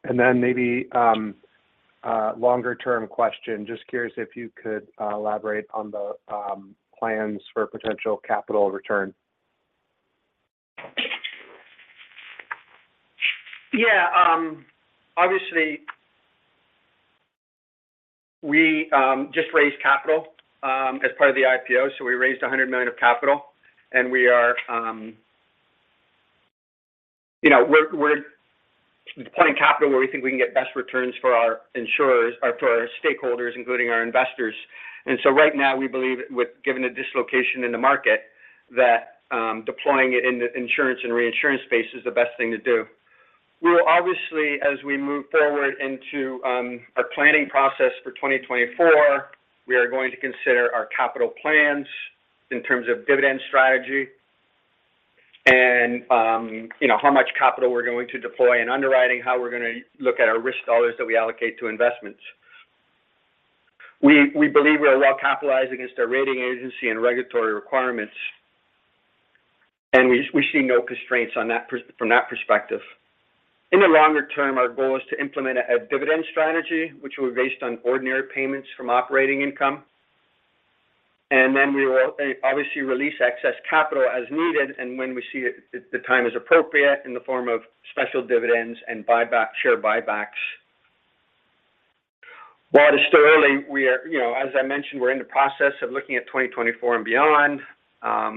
Then maybe, a longer-term question. Just curious if you could elaborate on the plans for potential capital return. Yeah, obviously, we just raised capital as part of the IPO, so we raised $100 million of capital, and we are. You know, we're deploying capital where we think we can get best returns for our insurers or for our stakeholders, including our investors. So right now, we believe with, given the dislocation in the market, that deploying it in the insurance and reinsurance space is the best thing to do. We will obviously, as we move forward into our planning process for 2024, we are going to consider our capital plans in terms of dividend strategy and, you know, how much capital we're gonna deploy in underwriting, how we're gonna look at our risk dollars that we allocate to investments. We, we believe we are well capitalized against our rating agency and regulatory requirements, and we, we see no constraints on that pers- from that perspective. In the longer term, our goal is to implement a, a dividend strategy, which will be based on ordinary payments from operating income, and then we will, obviously release excess capital as needed and when we see that the, the time is appropriate in the form of special dividends and buyback, share buybacks. While it is still early, we are-- you know, as I mentioned, we're in the process of looking at 2024 and beyond.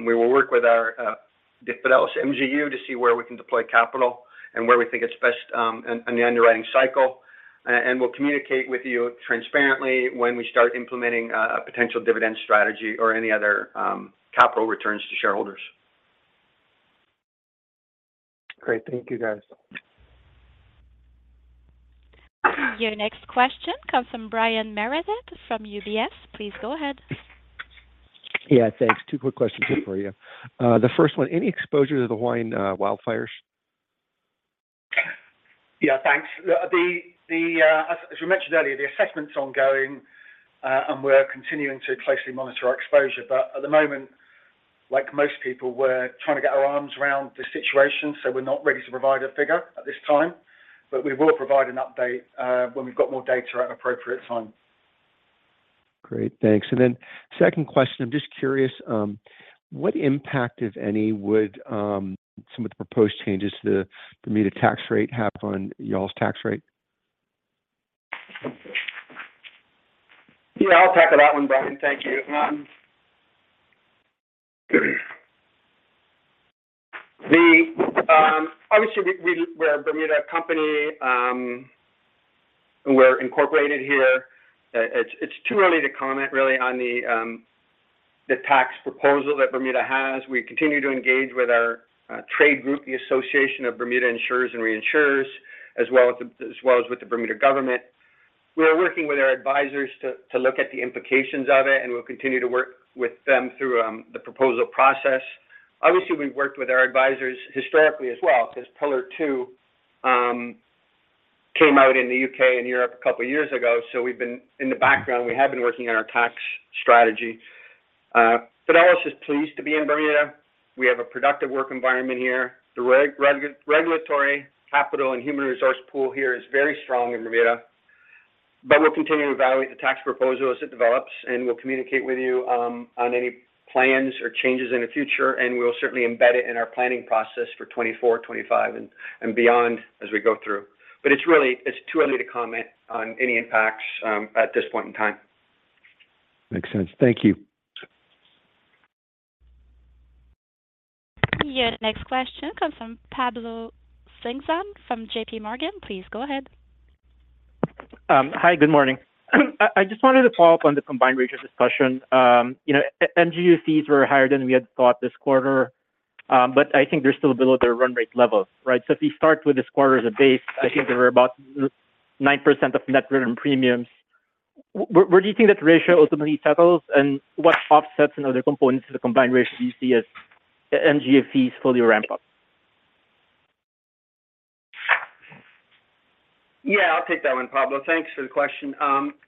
We will work with our Fidelis MGU to see where we can deploy capital and where we think it's best, in, in the underwriting cycle. We'll communicate with you transparently when we start implementing a potential dividend strategy or any other capital returns to shareholders. Great. Thank you, guys. Your next question comes from Brian Meredith from UBS. Please go ahead. Yeah, thanks. Two quick questions here for you. The first one: Any exposure to the Hawaiian wildfires? Yeah, thanks. The, the, as, as we mentioned earlier, the assessment's ongoing, and we're continuing to closely monitor our exposure. At the moment, like most people, we're trying to get our arms around the situation, so we're not ready to provide a figure at this time. We will provide an update, when we've got more data at an appropriate time. Great, thanks. Second question, I'm just curious, what impact, if any, would some of the proposed changes to the Bermuda tax rate have on y'all's tax rate? Yeah, I'll tackle that one, Brian. Thank you. Obviously, we, we're a Bermuda company. We're incorporated here. It's, it's too early to comment really on the tax proposal that Bermuda has. We continue to engage with our trade group, the Association of Bermuda Insurers and Reinsurers, as well as, as well as with the Bermuda government. We are working with our advisors to, to look at the implications of it, and we'll continue to work with them through the proposal process. Obviously, we've worked with our advisors historically as well, because Pillar Two came out in the UK and Europe a couple of years ago. We've been in the background. We have been working on our tax strategy. Fidelis is pleased to be in Bermuda. We have a productive work environment here. The regulatory capital and human resource pool here is very strong in Bermuda. We'll continue to evaluate the tax proposal as it develops. We'll communicate with you on any plans or changes in the future. We'll certainly embed it in our planning process for 2024, 2025 and beyond as we go through. It's really, it's too early to comment on any impacts at this point in time. Makes sense. Thank you. Your next question comes from Pablo Singzon from JP Morgan. Please go ahead. Hi, good morning. I, I just wanted to follow up on the combined ratio discussion. You know, MGU fees were higher than we had thought this quarter, but I think they're still below their run rate levels, right? So if we start with this quarter as a base, I think they were about 9% of net written premiums. W- where do you think that ratio ultimately settles, and what offsets and other components of the combined ratio do you see as MGU fees fully ramp up? Yeah, I'll take that one, Pablo. Thanks for the question.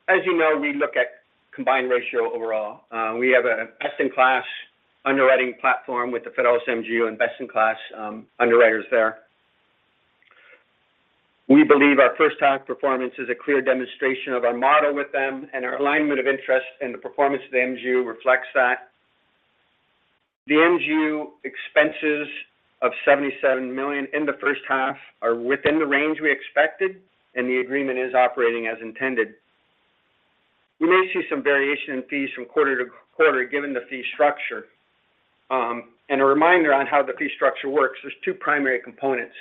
As you know, we look at combined ratio overall. We have a best-in-class underwriting platform with the Fidelis MGU and best-in-class underwriters there. We believe our first half performance is a clear demonstration of our motto with them, and our alignment of interest in the performance of the MGU reflects that. The MGU expenses of $77 million in the first half are within the range we expected, and the agreement is operating as intended. We may see some variation in fees from quarter to quarter, given the fee structure. A reminder on how the fee structure works, there's two primary components.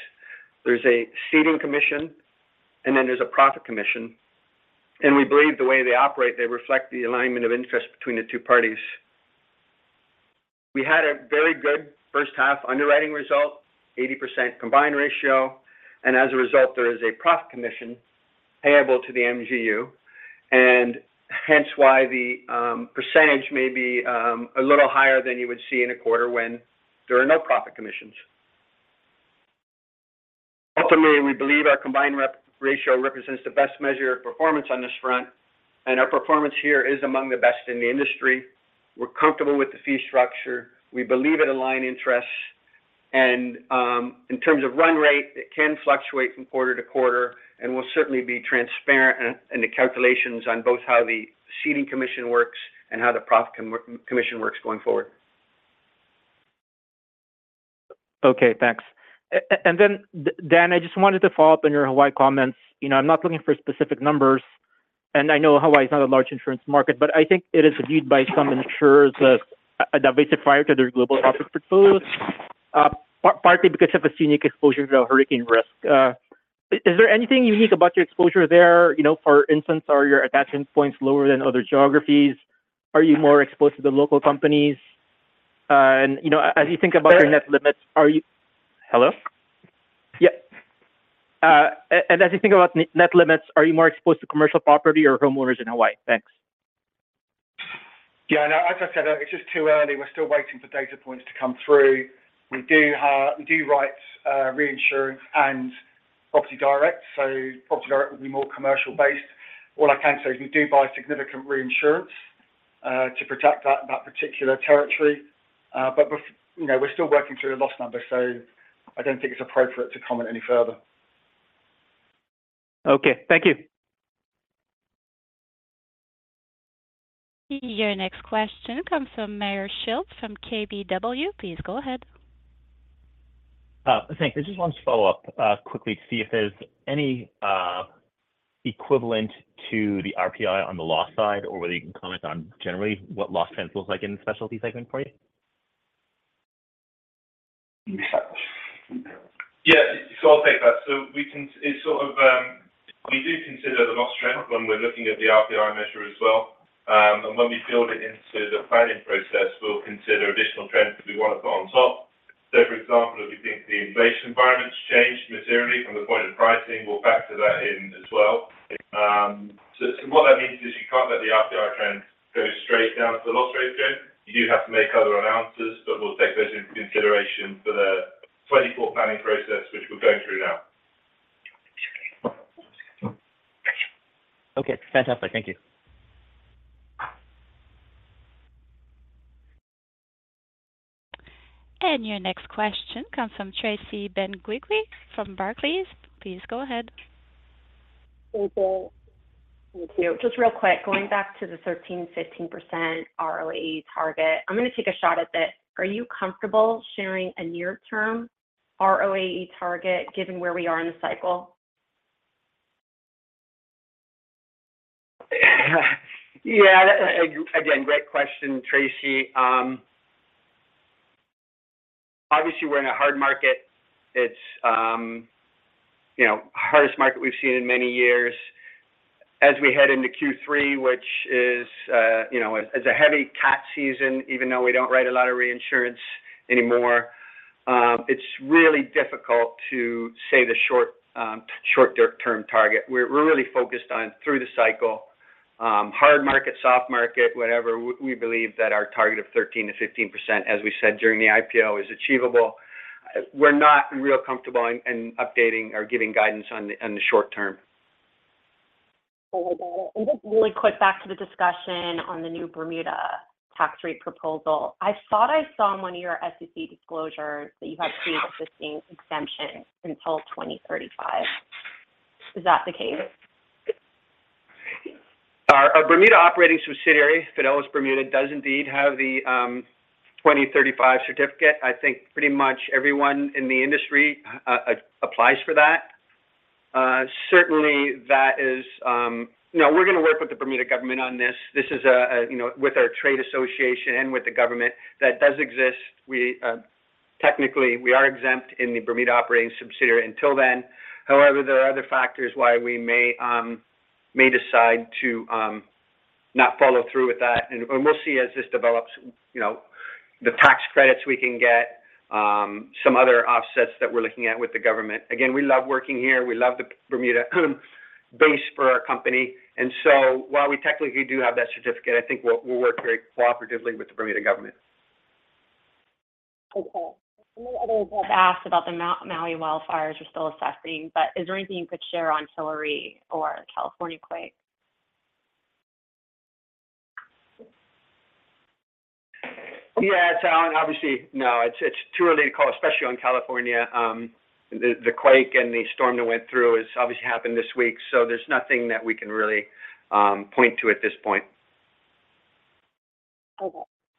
There's a ceding commission, and then there's a property commission, and we believe the way they operate, they reflect the alignment of interest between the two parties. We had a very good first half underwriting result, 80% combined ratio. As a result, there is a property commission payable to the MGU, hence why the percentage may be a little higher than you would see in a quarter when there are no property commissions. Ultimately, we believe our combined ratio represents the best measure of performance on this front. Our performance here is among the best in the industry. We're comfortable with the fee structure. We believe it align interests. In terms of run rate, it can fluctuate from quarter to quarter, and we'll certainly be transparent in the calculations on both how the ceding commission works and how the property commission works going forward. Okay, thanks. Then, Dan, I just wanted to follow up on your Hawaii comments. You know, I'm not looking for specific numbers, and I know Hawaii is not a large insurance market, but I think it is viewed by some insurers as a diversifier to their global property portfolio, partly because of a scenic exposure to hurricane risk. Is there anything unique about your exposure there? You know, for instance, are your attachment points lower than other geographies? Are you more exposed to the local companies? You know, as you think about your net limits, are you- Hello? Yeah. As you think about net limits, are you more exposed to commercial property or homeowners in Hawaii? Thanks. Yeah, no, as I said, it's just too early. We're still waiting for data points to come through. We do, we do write reinsurance and property direct, so property direct will be more commercial-based. All I can say is we do buy significant reinsurance to protect that, that particular territory, but, you know, we're still working through the loss numbers, so I don't think it's appropriate to comment any further. Okay, thank you. Your next question comes from Meyer Shields from KBW. Please go ahead. Thanks. I just wanted to follow up quickly to see if there's any equivalent to the RPI on the loss side or whether you can comment on generally what loss trends look like in the specialty segment for you? Yeah, so I'll take that. We can... It's sort of, we do consider the loss trend when we're looking at the RPI measure as well. When we build it into the planning process, we'll consider additional trends that we want to put on top. For example, if we think the inflation environment's changed materially from the point of pricing, we'll factor that in as well. So what that means is you can't let the RPI trend go straight down to the loss rate trend. You do have to make other allowances, but we'll take those into consideration for the 2024 planning process, which we're going through now. Okay, fantastic. Thank you. Your next question comes from Tracy Benguigui from Barclays. Please go ahead. Thank you. Just real quick, going back to the 13%-15% ROAE target. I'm going to take a shot at this. Are you comfortable sharing a near-term ROAE target, given where we are in the cycle? Yeah, again, great question, Tracy. Obviously, we're in a hard market. It's, you know, hardest market we've seen in many years. As we head into Q3, which is, you know, is a heavy cat season, even though we don't write a lot of reinsurance anymore, it's really difficult to say the short, short-term target. We're, we're really focused on through the cycle. Hard market, soft market, whatever, we believe that our target of 13%-15%, as we said during the IPO, is achievable. We're not real comfortable in, in updating or giving guidance on the short term. Got it. Just really quick back to the discussion on the new Bermuda tax rate proposal. I thought I saw in one of your SEC disclosures that you had pre-existing exemption until 2035. Is that the case? Our Bermuda operating subsidiary, Fidelis Bermuda, does indeed have the 2035 certificate. I think pretty much everyone in the industry applies for that. Certainly, that is. No, we're going to work with the Bermuda Government on this. This is a, you know, with our trade association and with the Government that does exist. We technically are exempt in the Bermuda operating subsidiary until then. However, there are other factors why we may decide to not follow through with that, and we'll see as this develops, you know, the tax credits we can get, some other offsets that we're looking at with the Government. Again, we love working here. We love the Bermuda base for our company. So while we technically do have that certificate, I think we'll work very cooperatively with the Bermuda Government. Many others have asked about the Maui wildfires. You're still assessing, but is there anything you could share on Hilary or California quake? Yeah, it's Allan. Obviously, no, it's too early to call, especially on California. The quake and the storm that went through has obviously happened this week, so there's nothing that we can really point to at this point. Okay.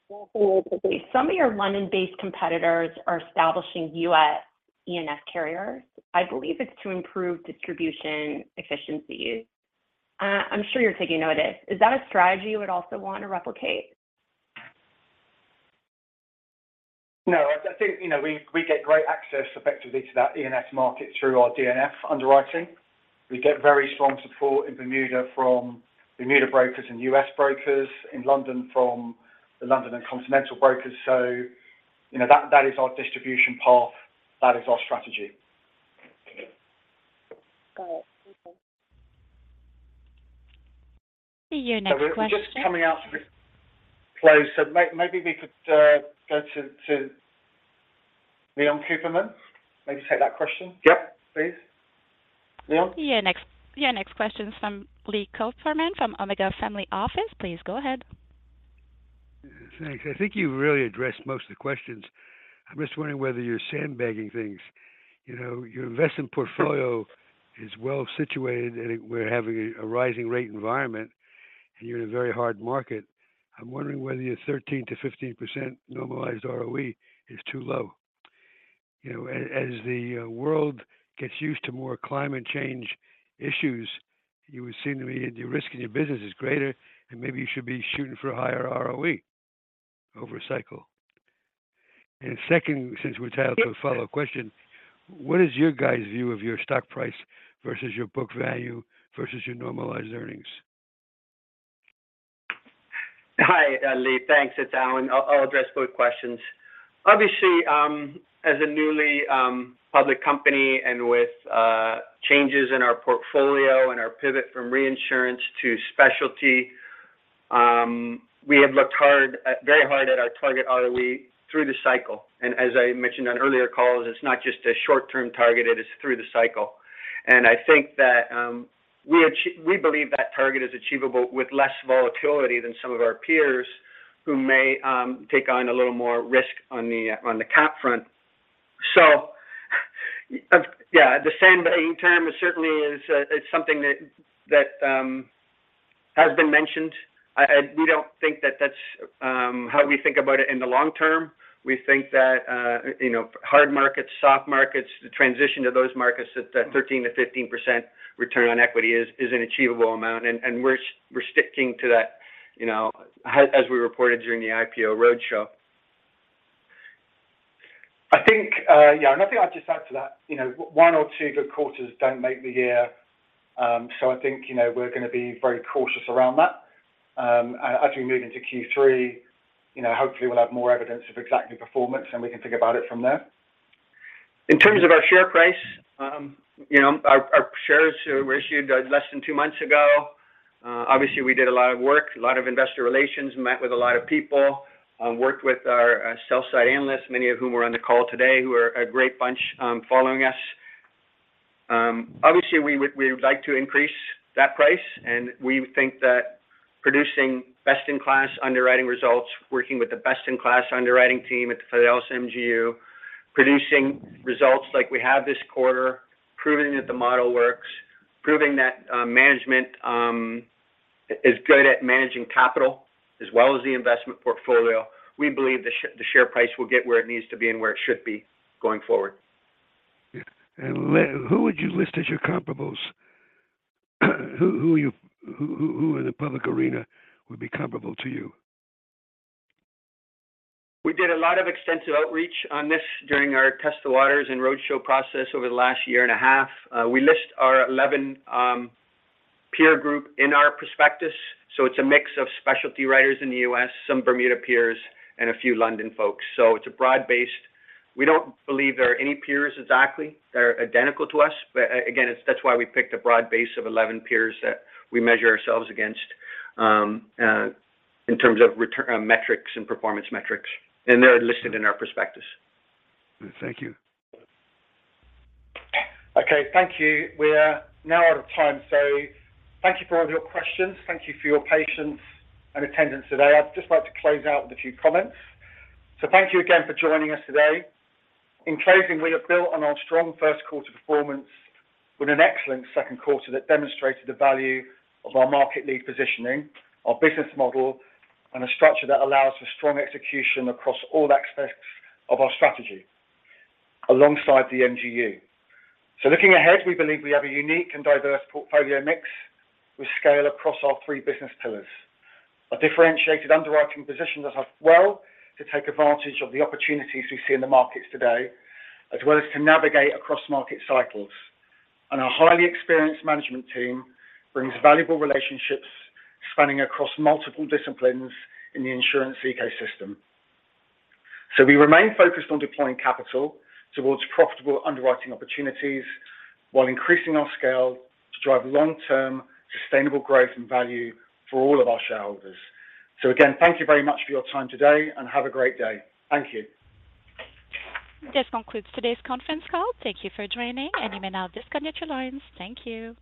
Some of your London-based competitors are establishing U.S. E&S carriers. I believe it's to improve distribution efficiency. I'm sure you're taking notice. Is that a strategy you would also want to replicate? No, I think, you know, we, we get great access effectively to that E&S market through our D&F underwriting. We get very strong support in Bermuda from Bermuda brokers and U.S. brokers, in London from the London and continental brokers. You know, that, that is our distribution path. That is our strategy. Got it. Thank you. Your next question. We're just coming out close, so may-maybe we could, go to, to Leon Cooperman. Maybe take that question. Yep. Please. Leon? Yeah. Next question is from Lee Cooperman from Omega Family Office. Please go ahead. Thanks. I think you really addressed most of the questions. I'm just wondering whether you're sandbagging things. You know, your investment portfolio is well situated, and we're having a rising rate environment, and you're in a very hard market. I'm wondering whether your 13%-15% normalized ROE is too low. You know, a-as the world gets used to more climate change issues, you would seem to me the risk in your business is greater, and maybe you should be shooting for a higher ROE over a cycle. Second, since we're tied to a follow-up question, what is your guys' view of your stock price versus your book value versus your normalized earnings? Hi, Lee. Thanks. It's Allan. I'll, I'll address both questions. Obviously, as a newly public company and with changes in our portfolio and our pivot from reinsurance to specialty, we have looked hard, very hard at our target ROE through the cycle. As I mentioned on earlier calls, it's not just a short-term target, it is through the cycle. I think that we believe that target is achievable with less volatility than some of our peers who may take on a little more risk on the, on the cap front. Yeah, the sandbagging term certainly is, it's something that, that has been mentioned. We don't think that that's how we think about it in the long term. We think that, you know, hard markets, soft markets, the transition to those markets, that 13%-15% return on equity is, is an achievable amount, and, and we're, we're sticking to that, you know, as, as we reported during the IPO roadshow. I think, yeah, and I think I'll just add to that, you know, 1 or 2 good quarters don't make the year. I think, you know, we're going to be very cautious around that. As we move into Q3, you know, hopefully, we'll have more evidence of exactly performance, and we can think about it from there. In terms of our share price, you know, our, our shares were issued less than 2 months ago. Obviously, we did a lot of work, a lot of investor relations, met with a lot of people. Worked with our sell-side analysts, many of whom are on the call today, who are a great bunch, following us. Obviously, we would, we would like to increase that price, we think that producing best-in-class underwriting results, working with the best-in-class underwriting team at the Fidelis MGU, producing results like we have this quarter, proving that the model works, proving that management is good at managing capital as well as the investment portfolio. We believe the share price will get where it needs to be and where it should be going forward. Yeah. Who would you list as your comparables? Who in the public arena would be comparable to you? We did a lot of extensive outreach on this during our test waters and roadshow process over the last year and a half. We list our 11 peer group in our prospectus. It's a mix of specialty writers in the US, some Bermuda peers, and a few London folks. It's a broad-based. We don't believe there are any peers exactly, that are identical to us. Again, that's why we picked a broad base of 11 peers that we measure ourselves against in terms of return metrics and performance metrics, and they're listed in our prospectus. Thank you. Okay, thank you. We are now out of time, thank you for all of your questions. Thank you for your patience and attendance today. I'd just like to close out with a few comments. Thank you again for joining us today. In closing, we have built on our strong first quarter performance with an excellent second quarter that demonstrated the value of our market lead positioning, our business model, and a structure that allows for strong execution across all aspects of our strategy alongside the MGU. Looking ahead, we believe we have a unique and diverse portfolio mix with scale across our three business pillars. A differentiated underwriting position that has well to take advantage of the opportunities we see in the markets today, as well as to navigate across market cycles. Our highly experienced management team brings valuable relationships spanning across multiple disciplines in the insurance ecosystem. We remain focused on deploying capital towards profitable underwriting opportunities, while increasing our scale to drive long-term, sustainable growth and value for all of our shareholders. Again, thank you very much for your time today, and have a great day. Thank you. This concludes today's conference call. Thank you for joining, and you may now disconnect your lines. Thank you.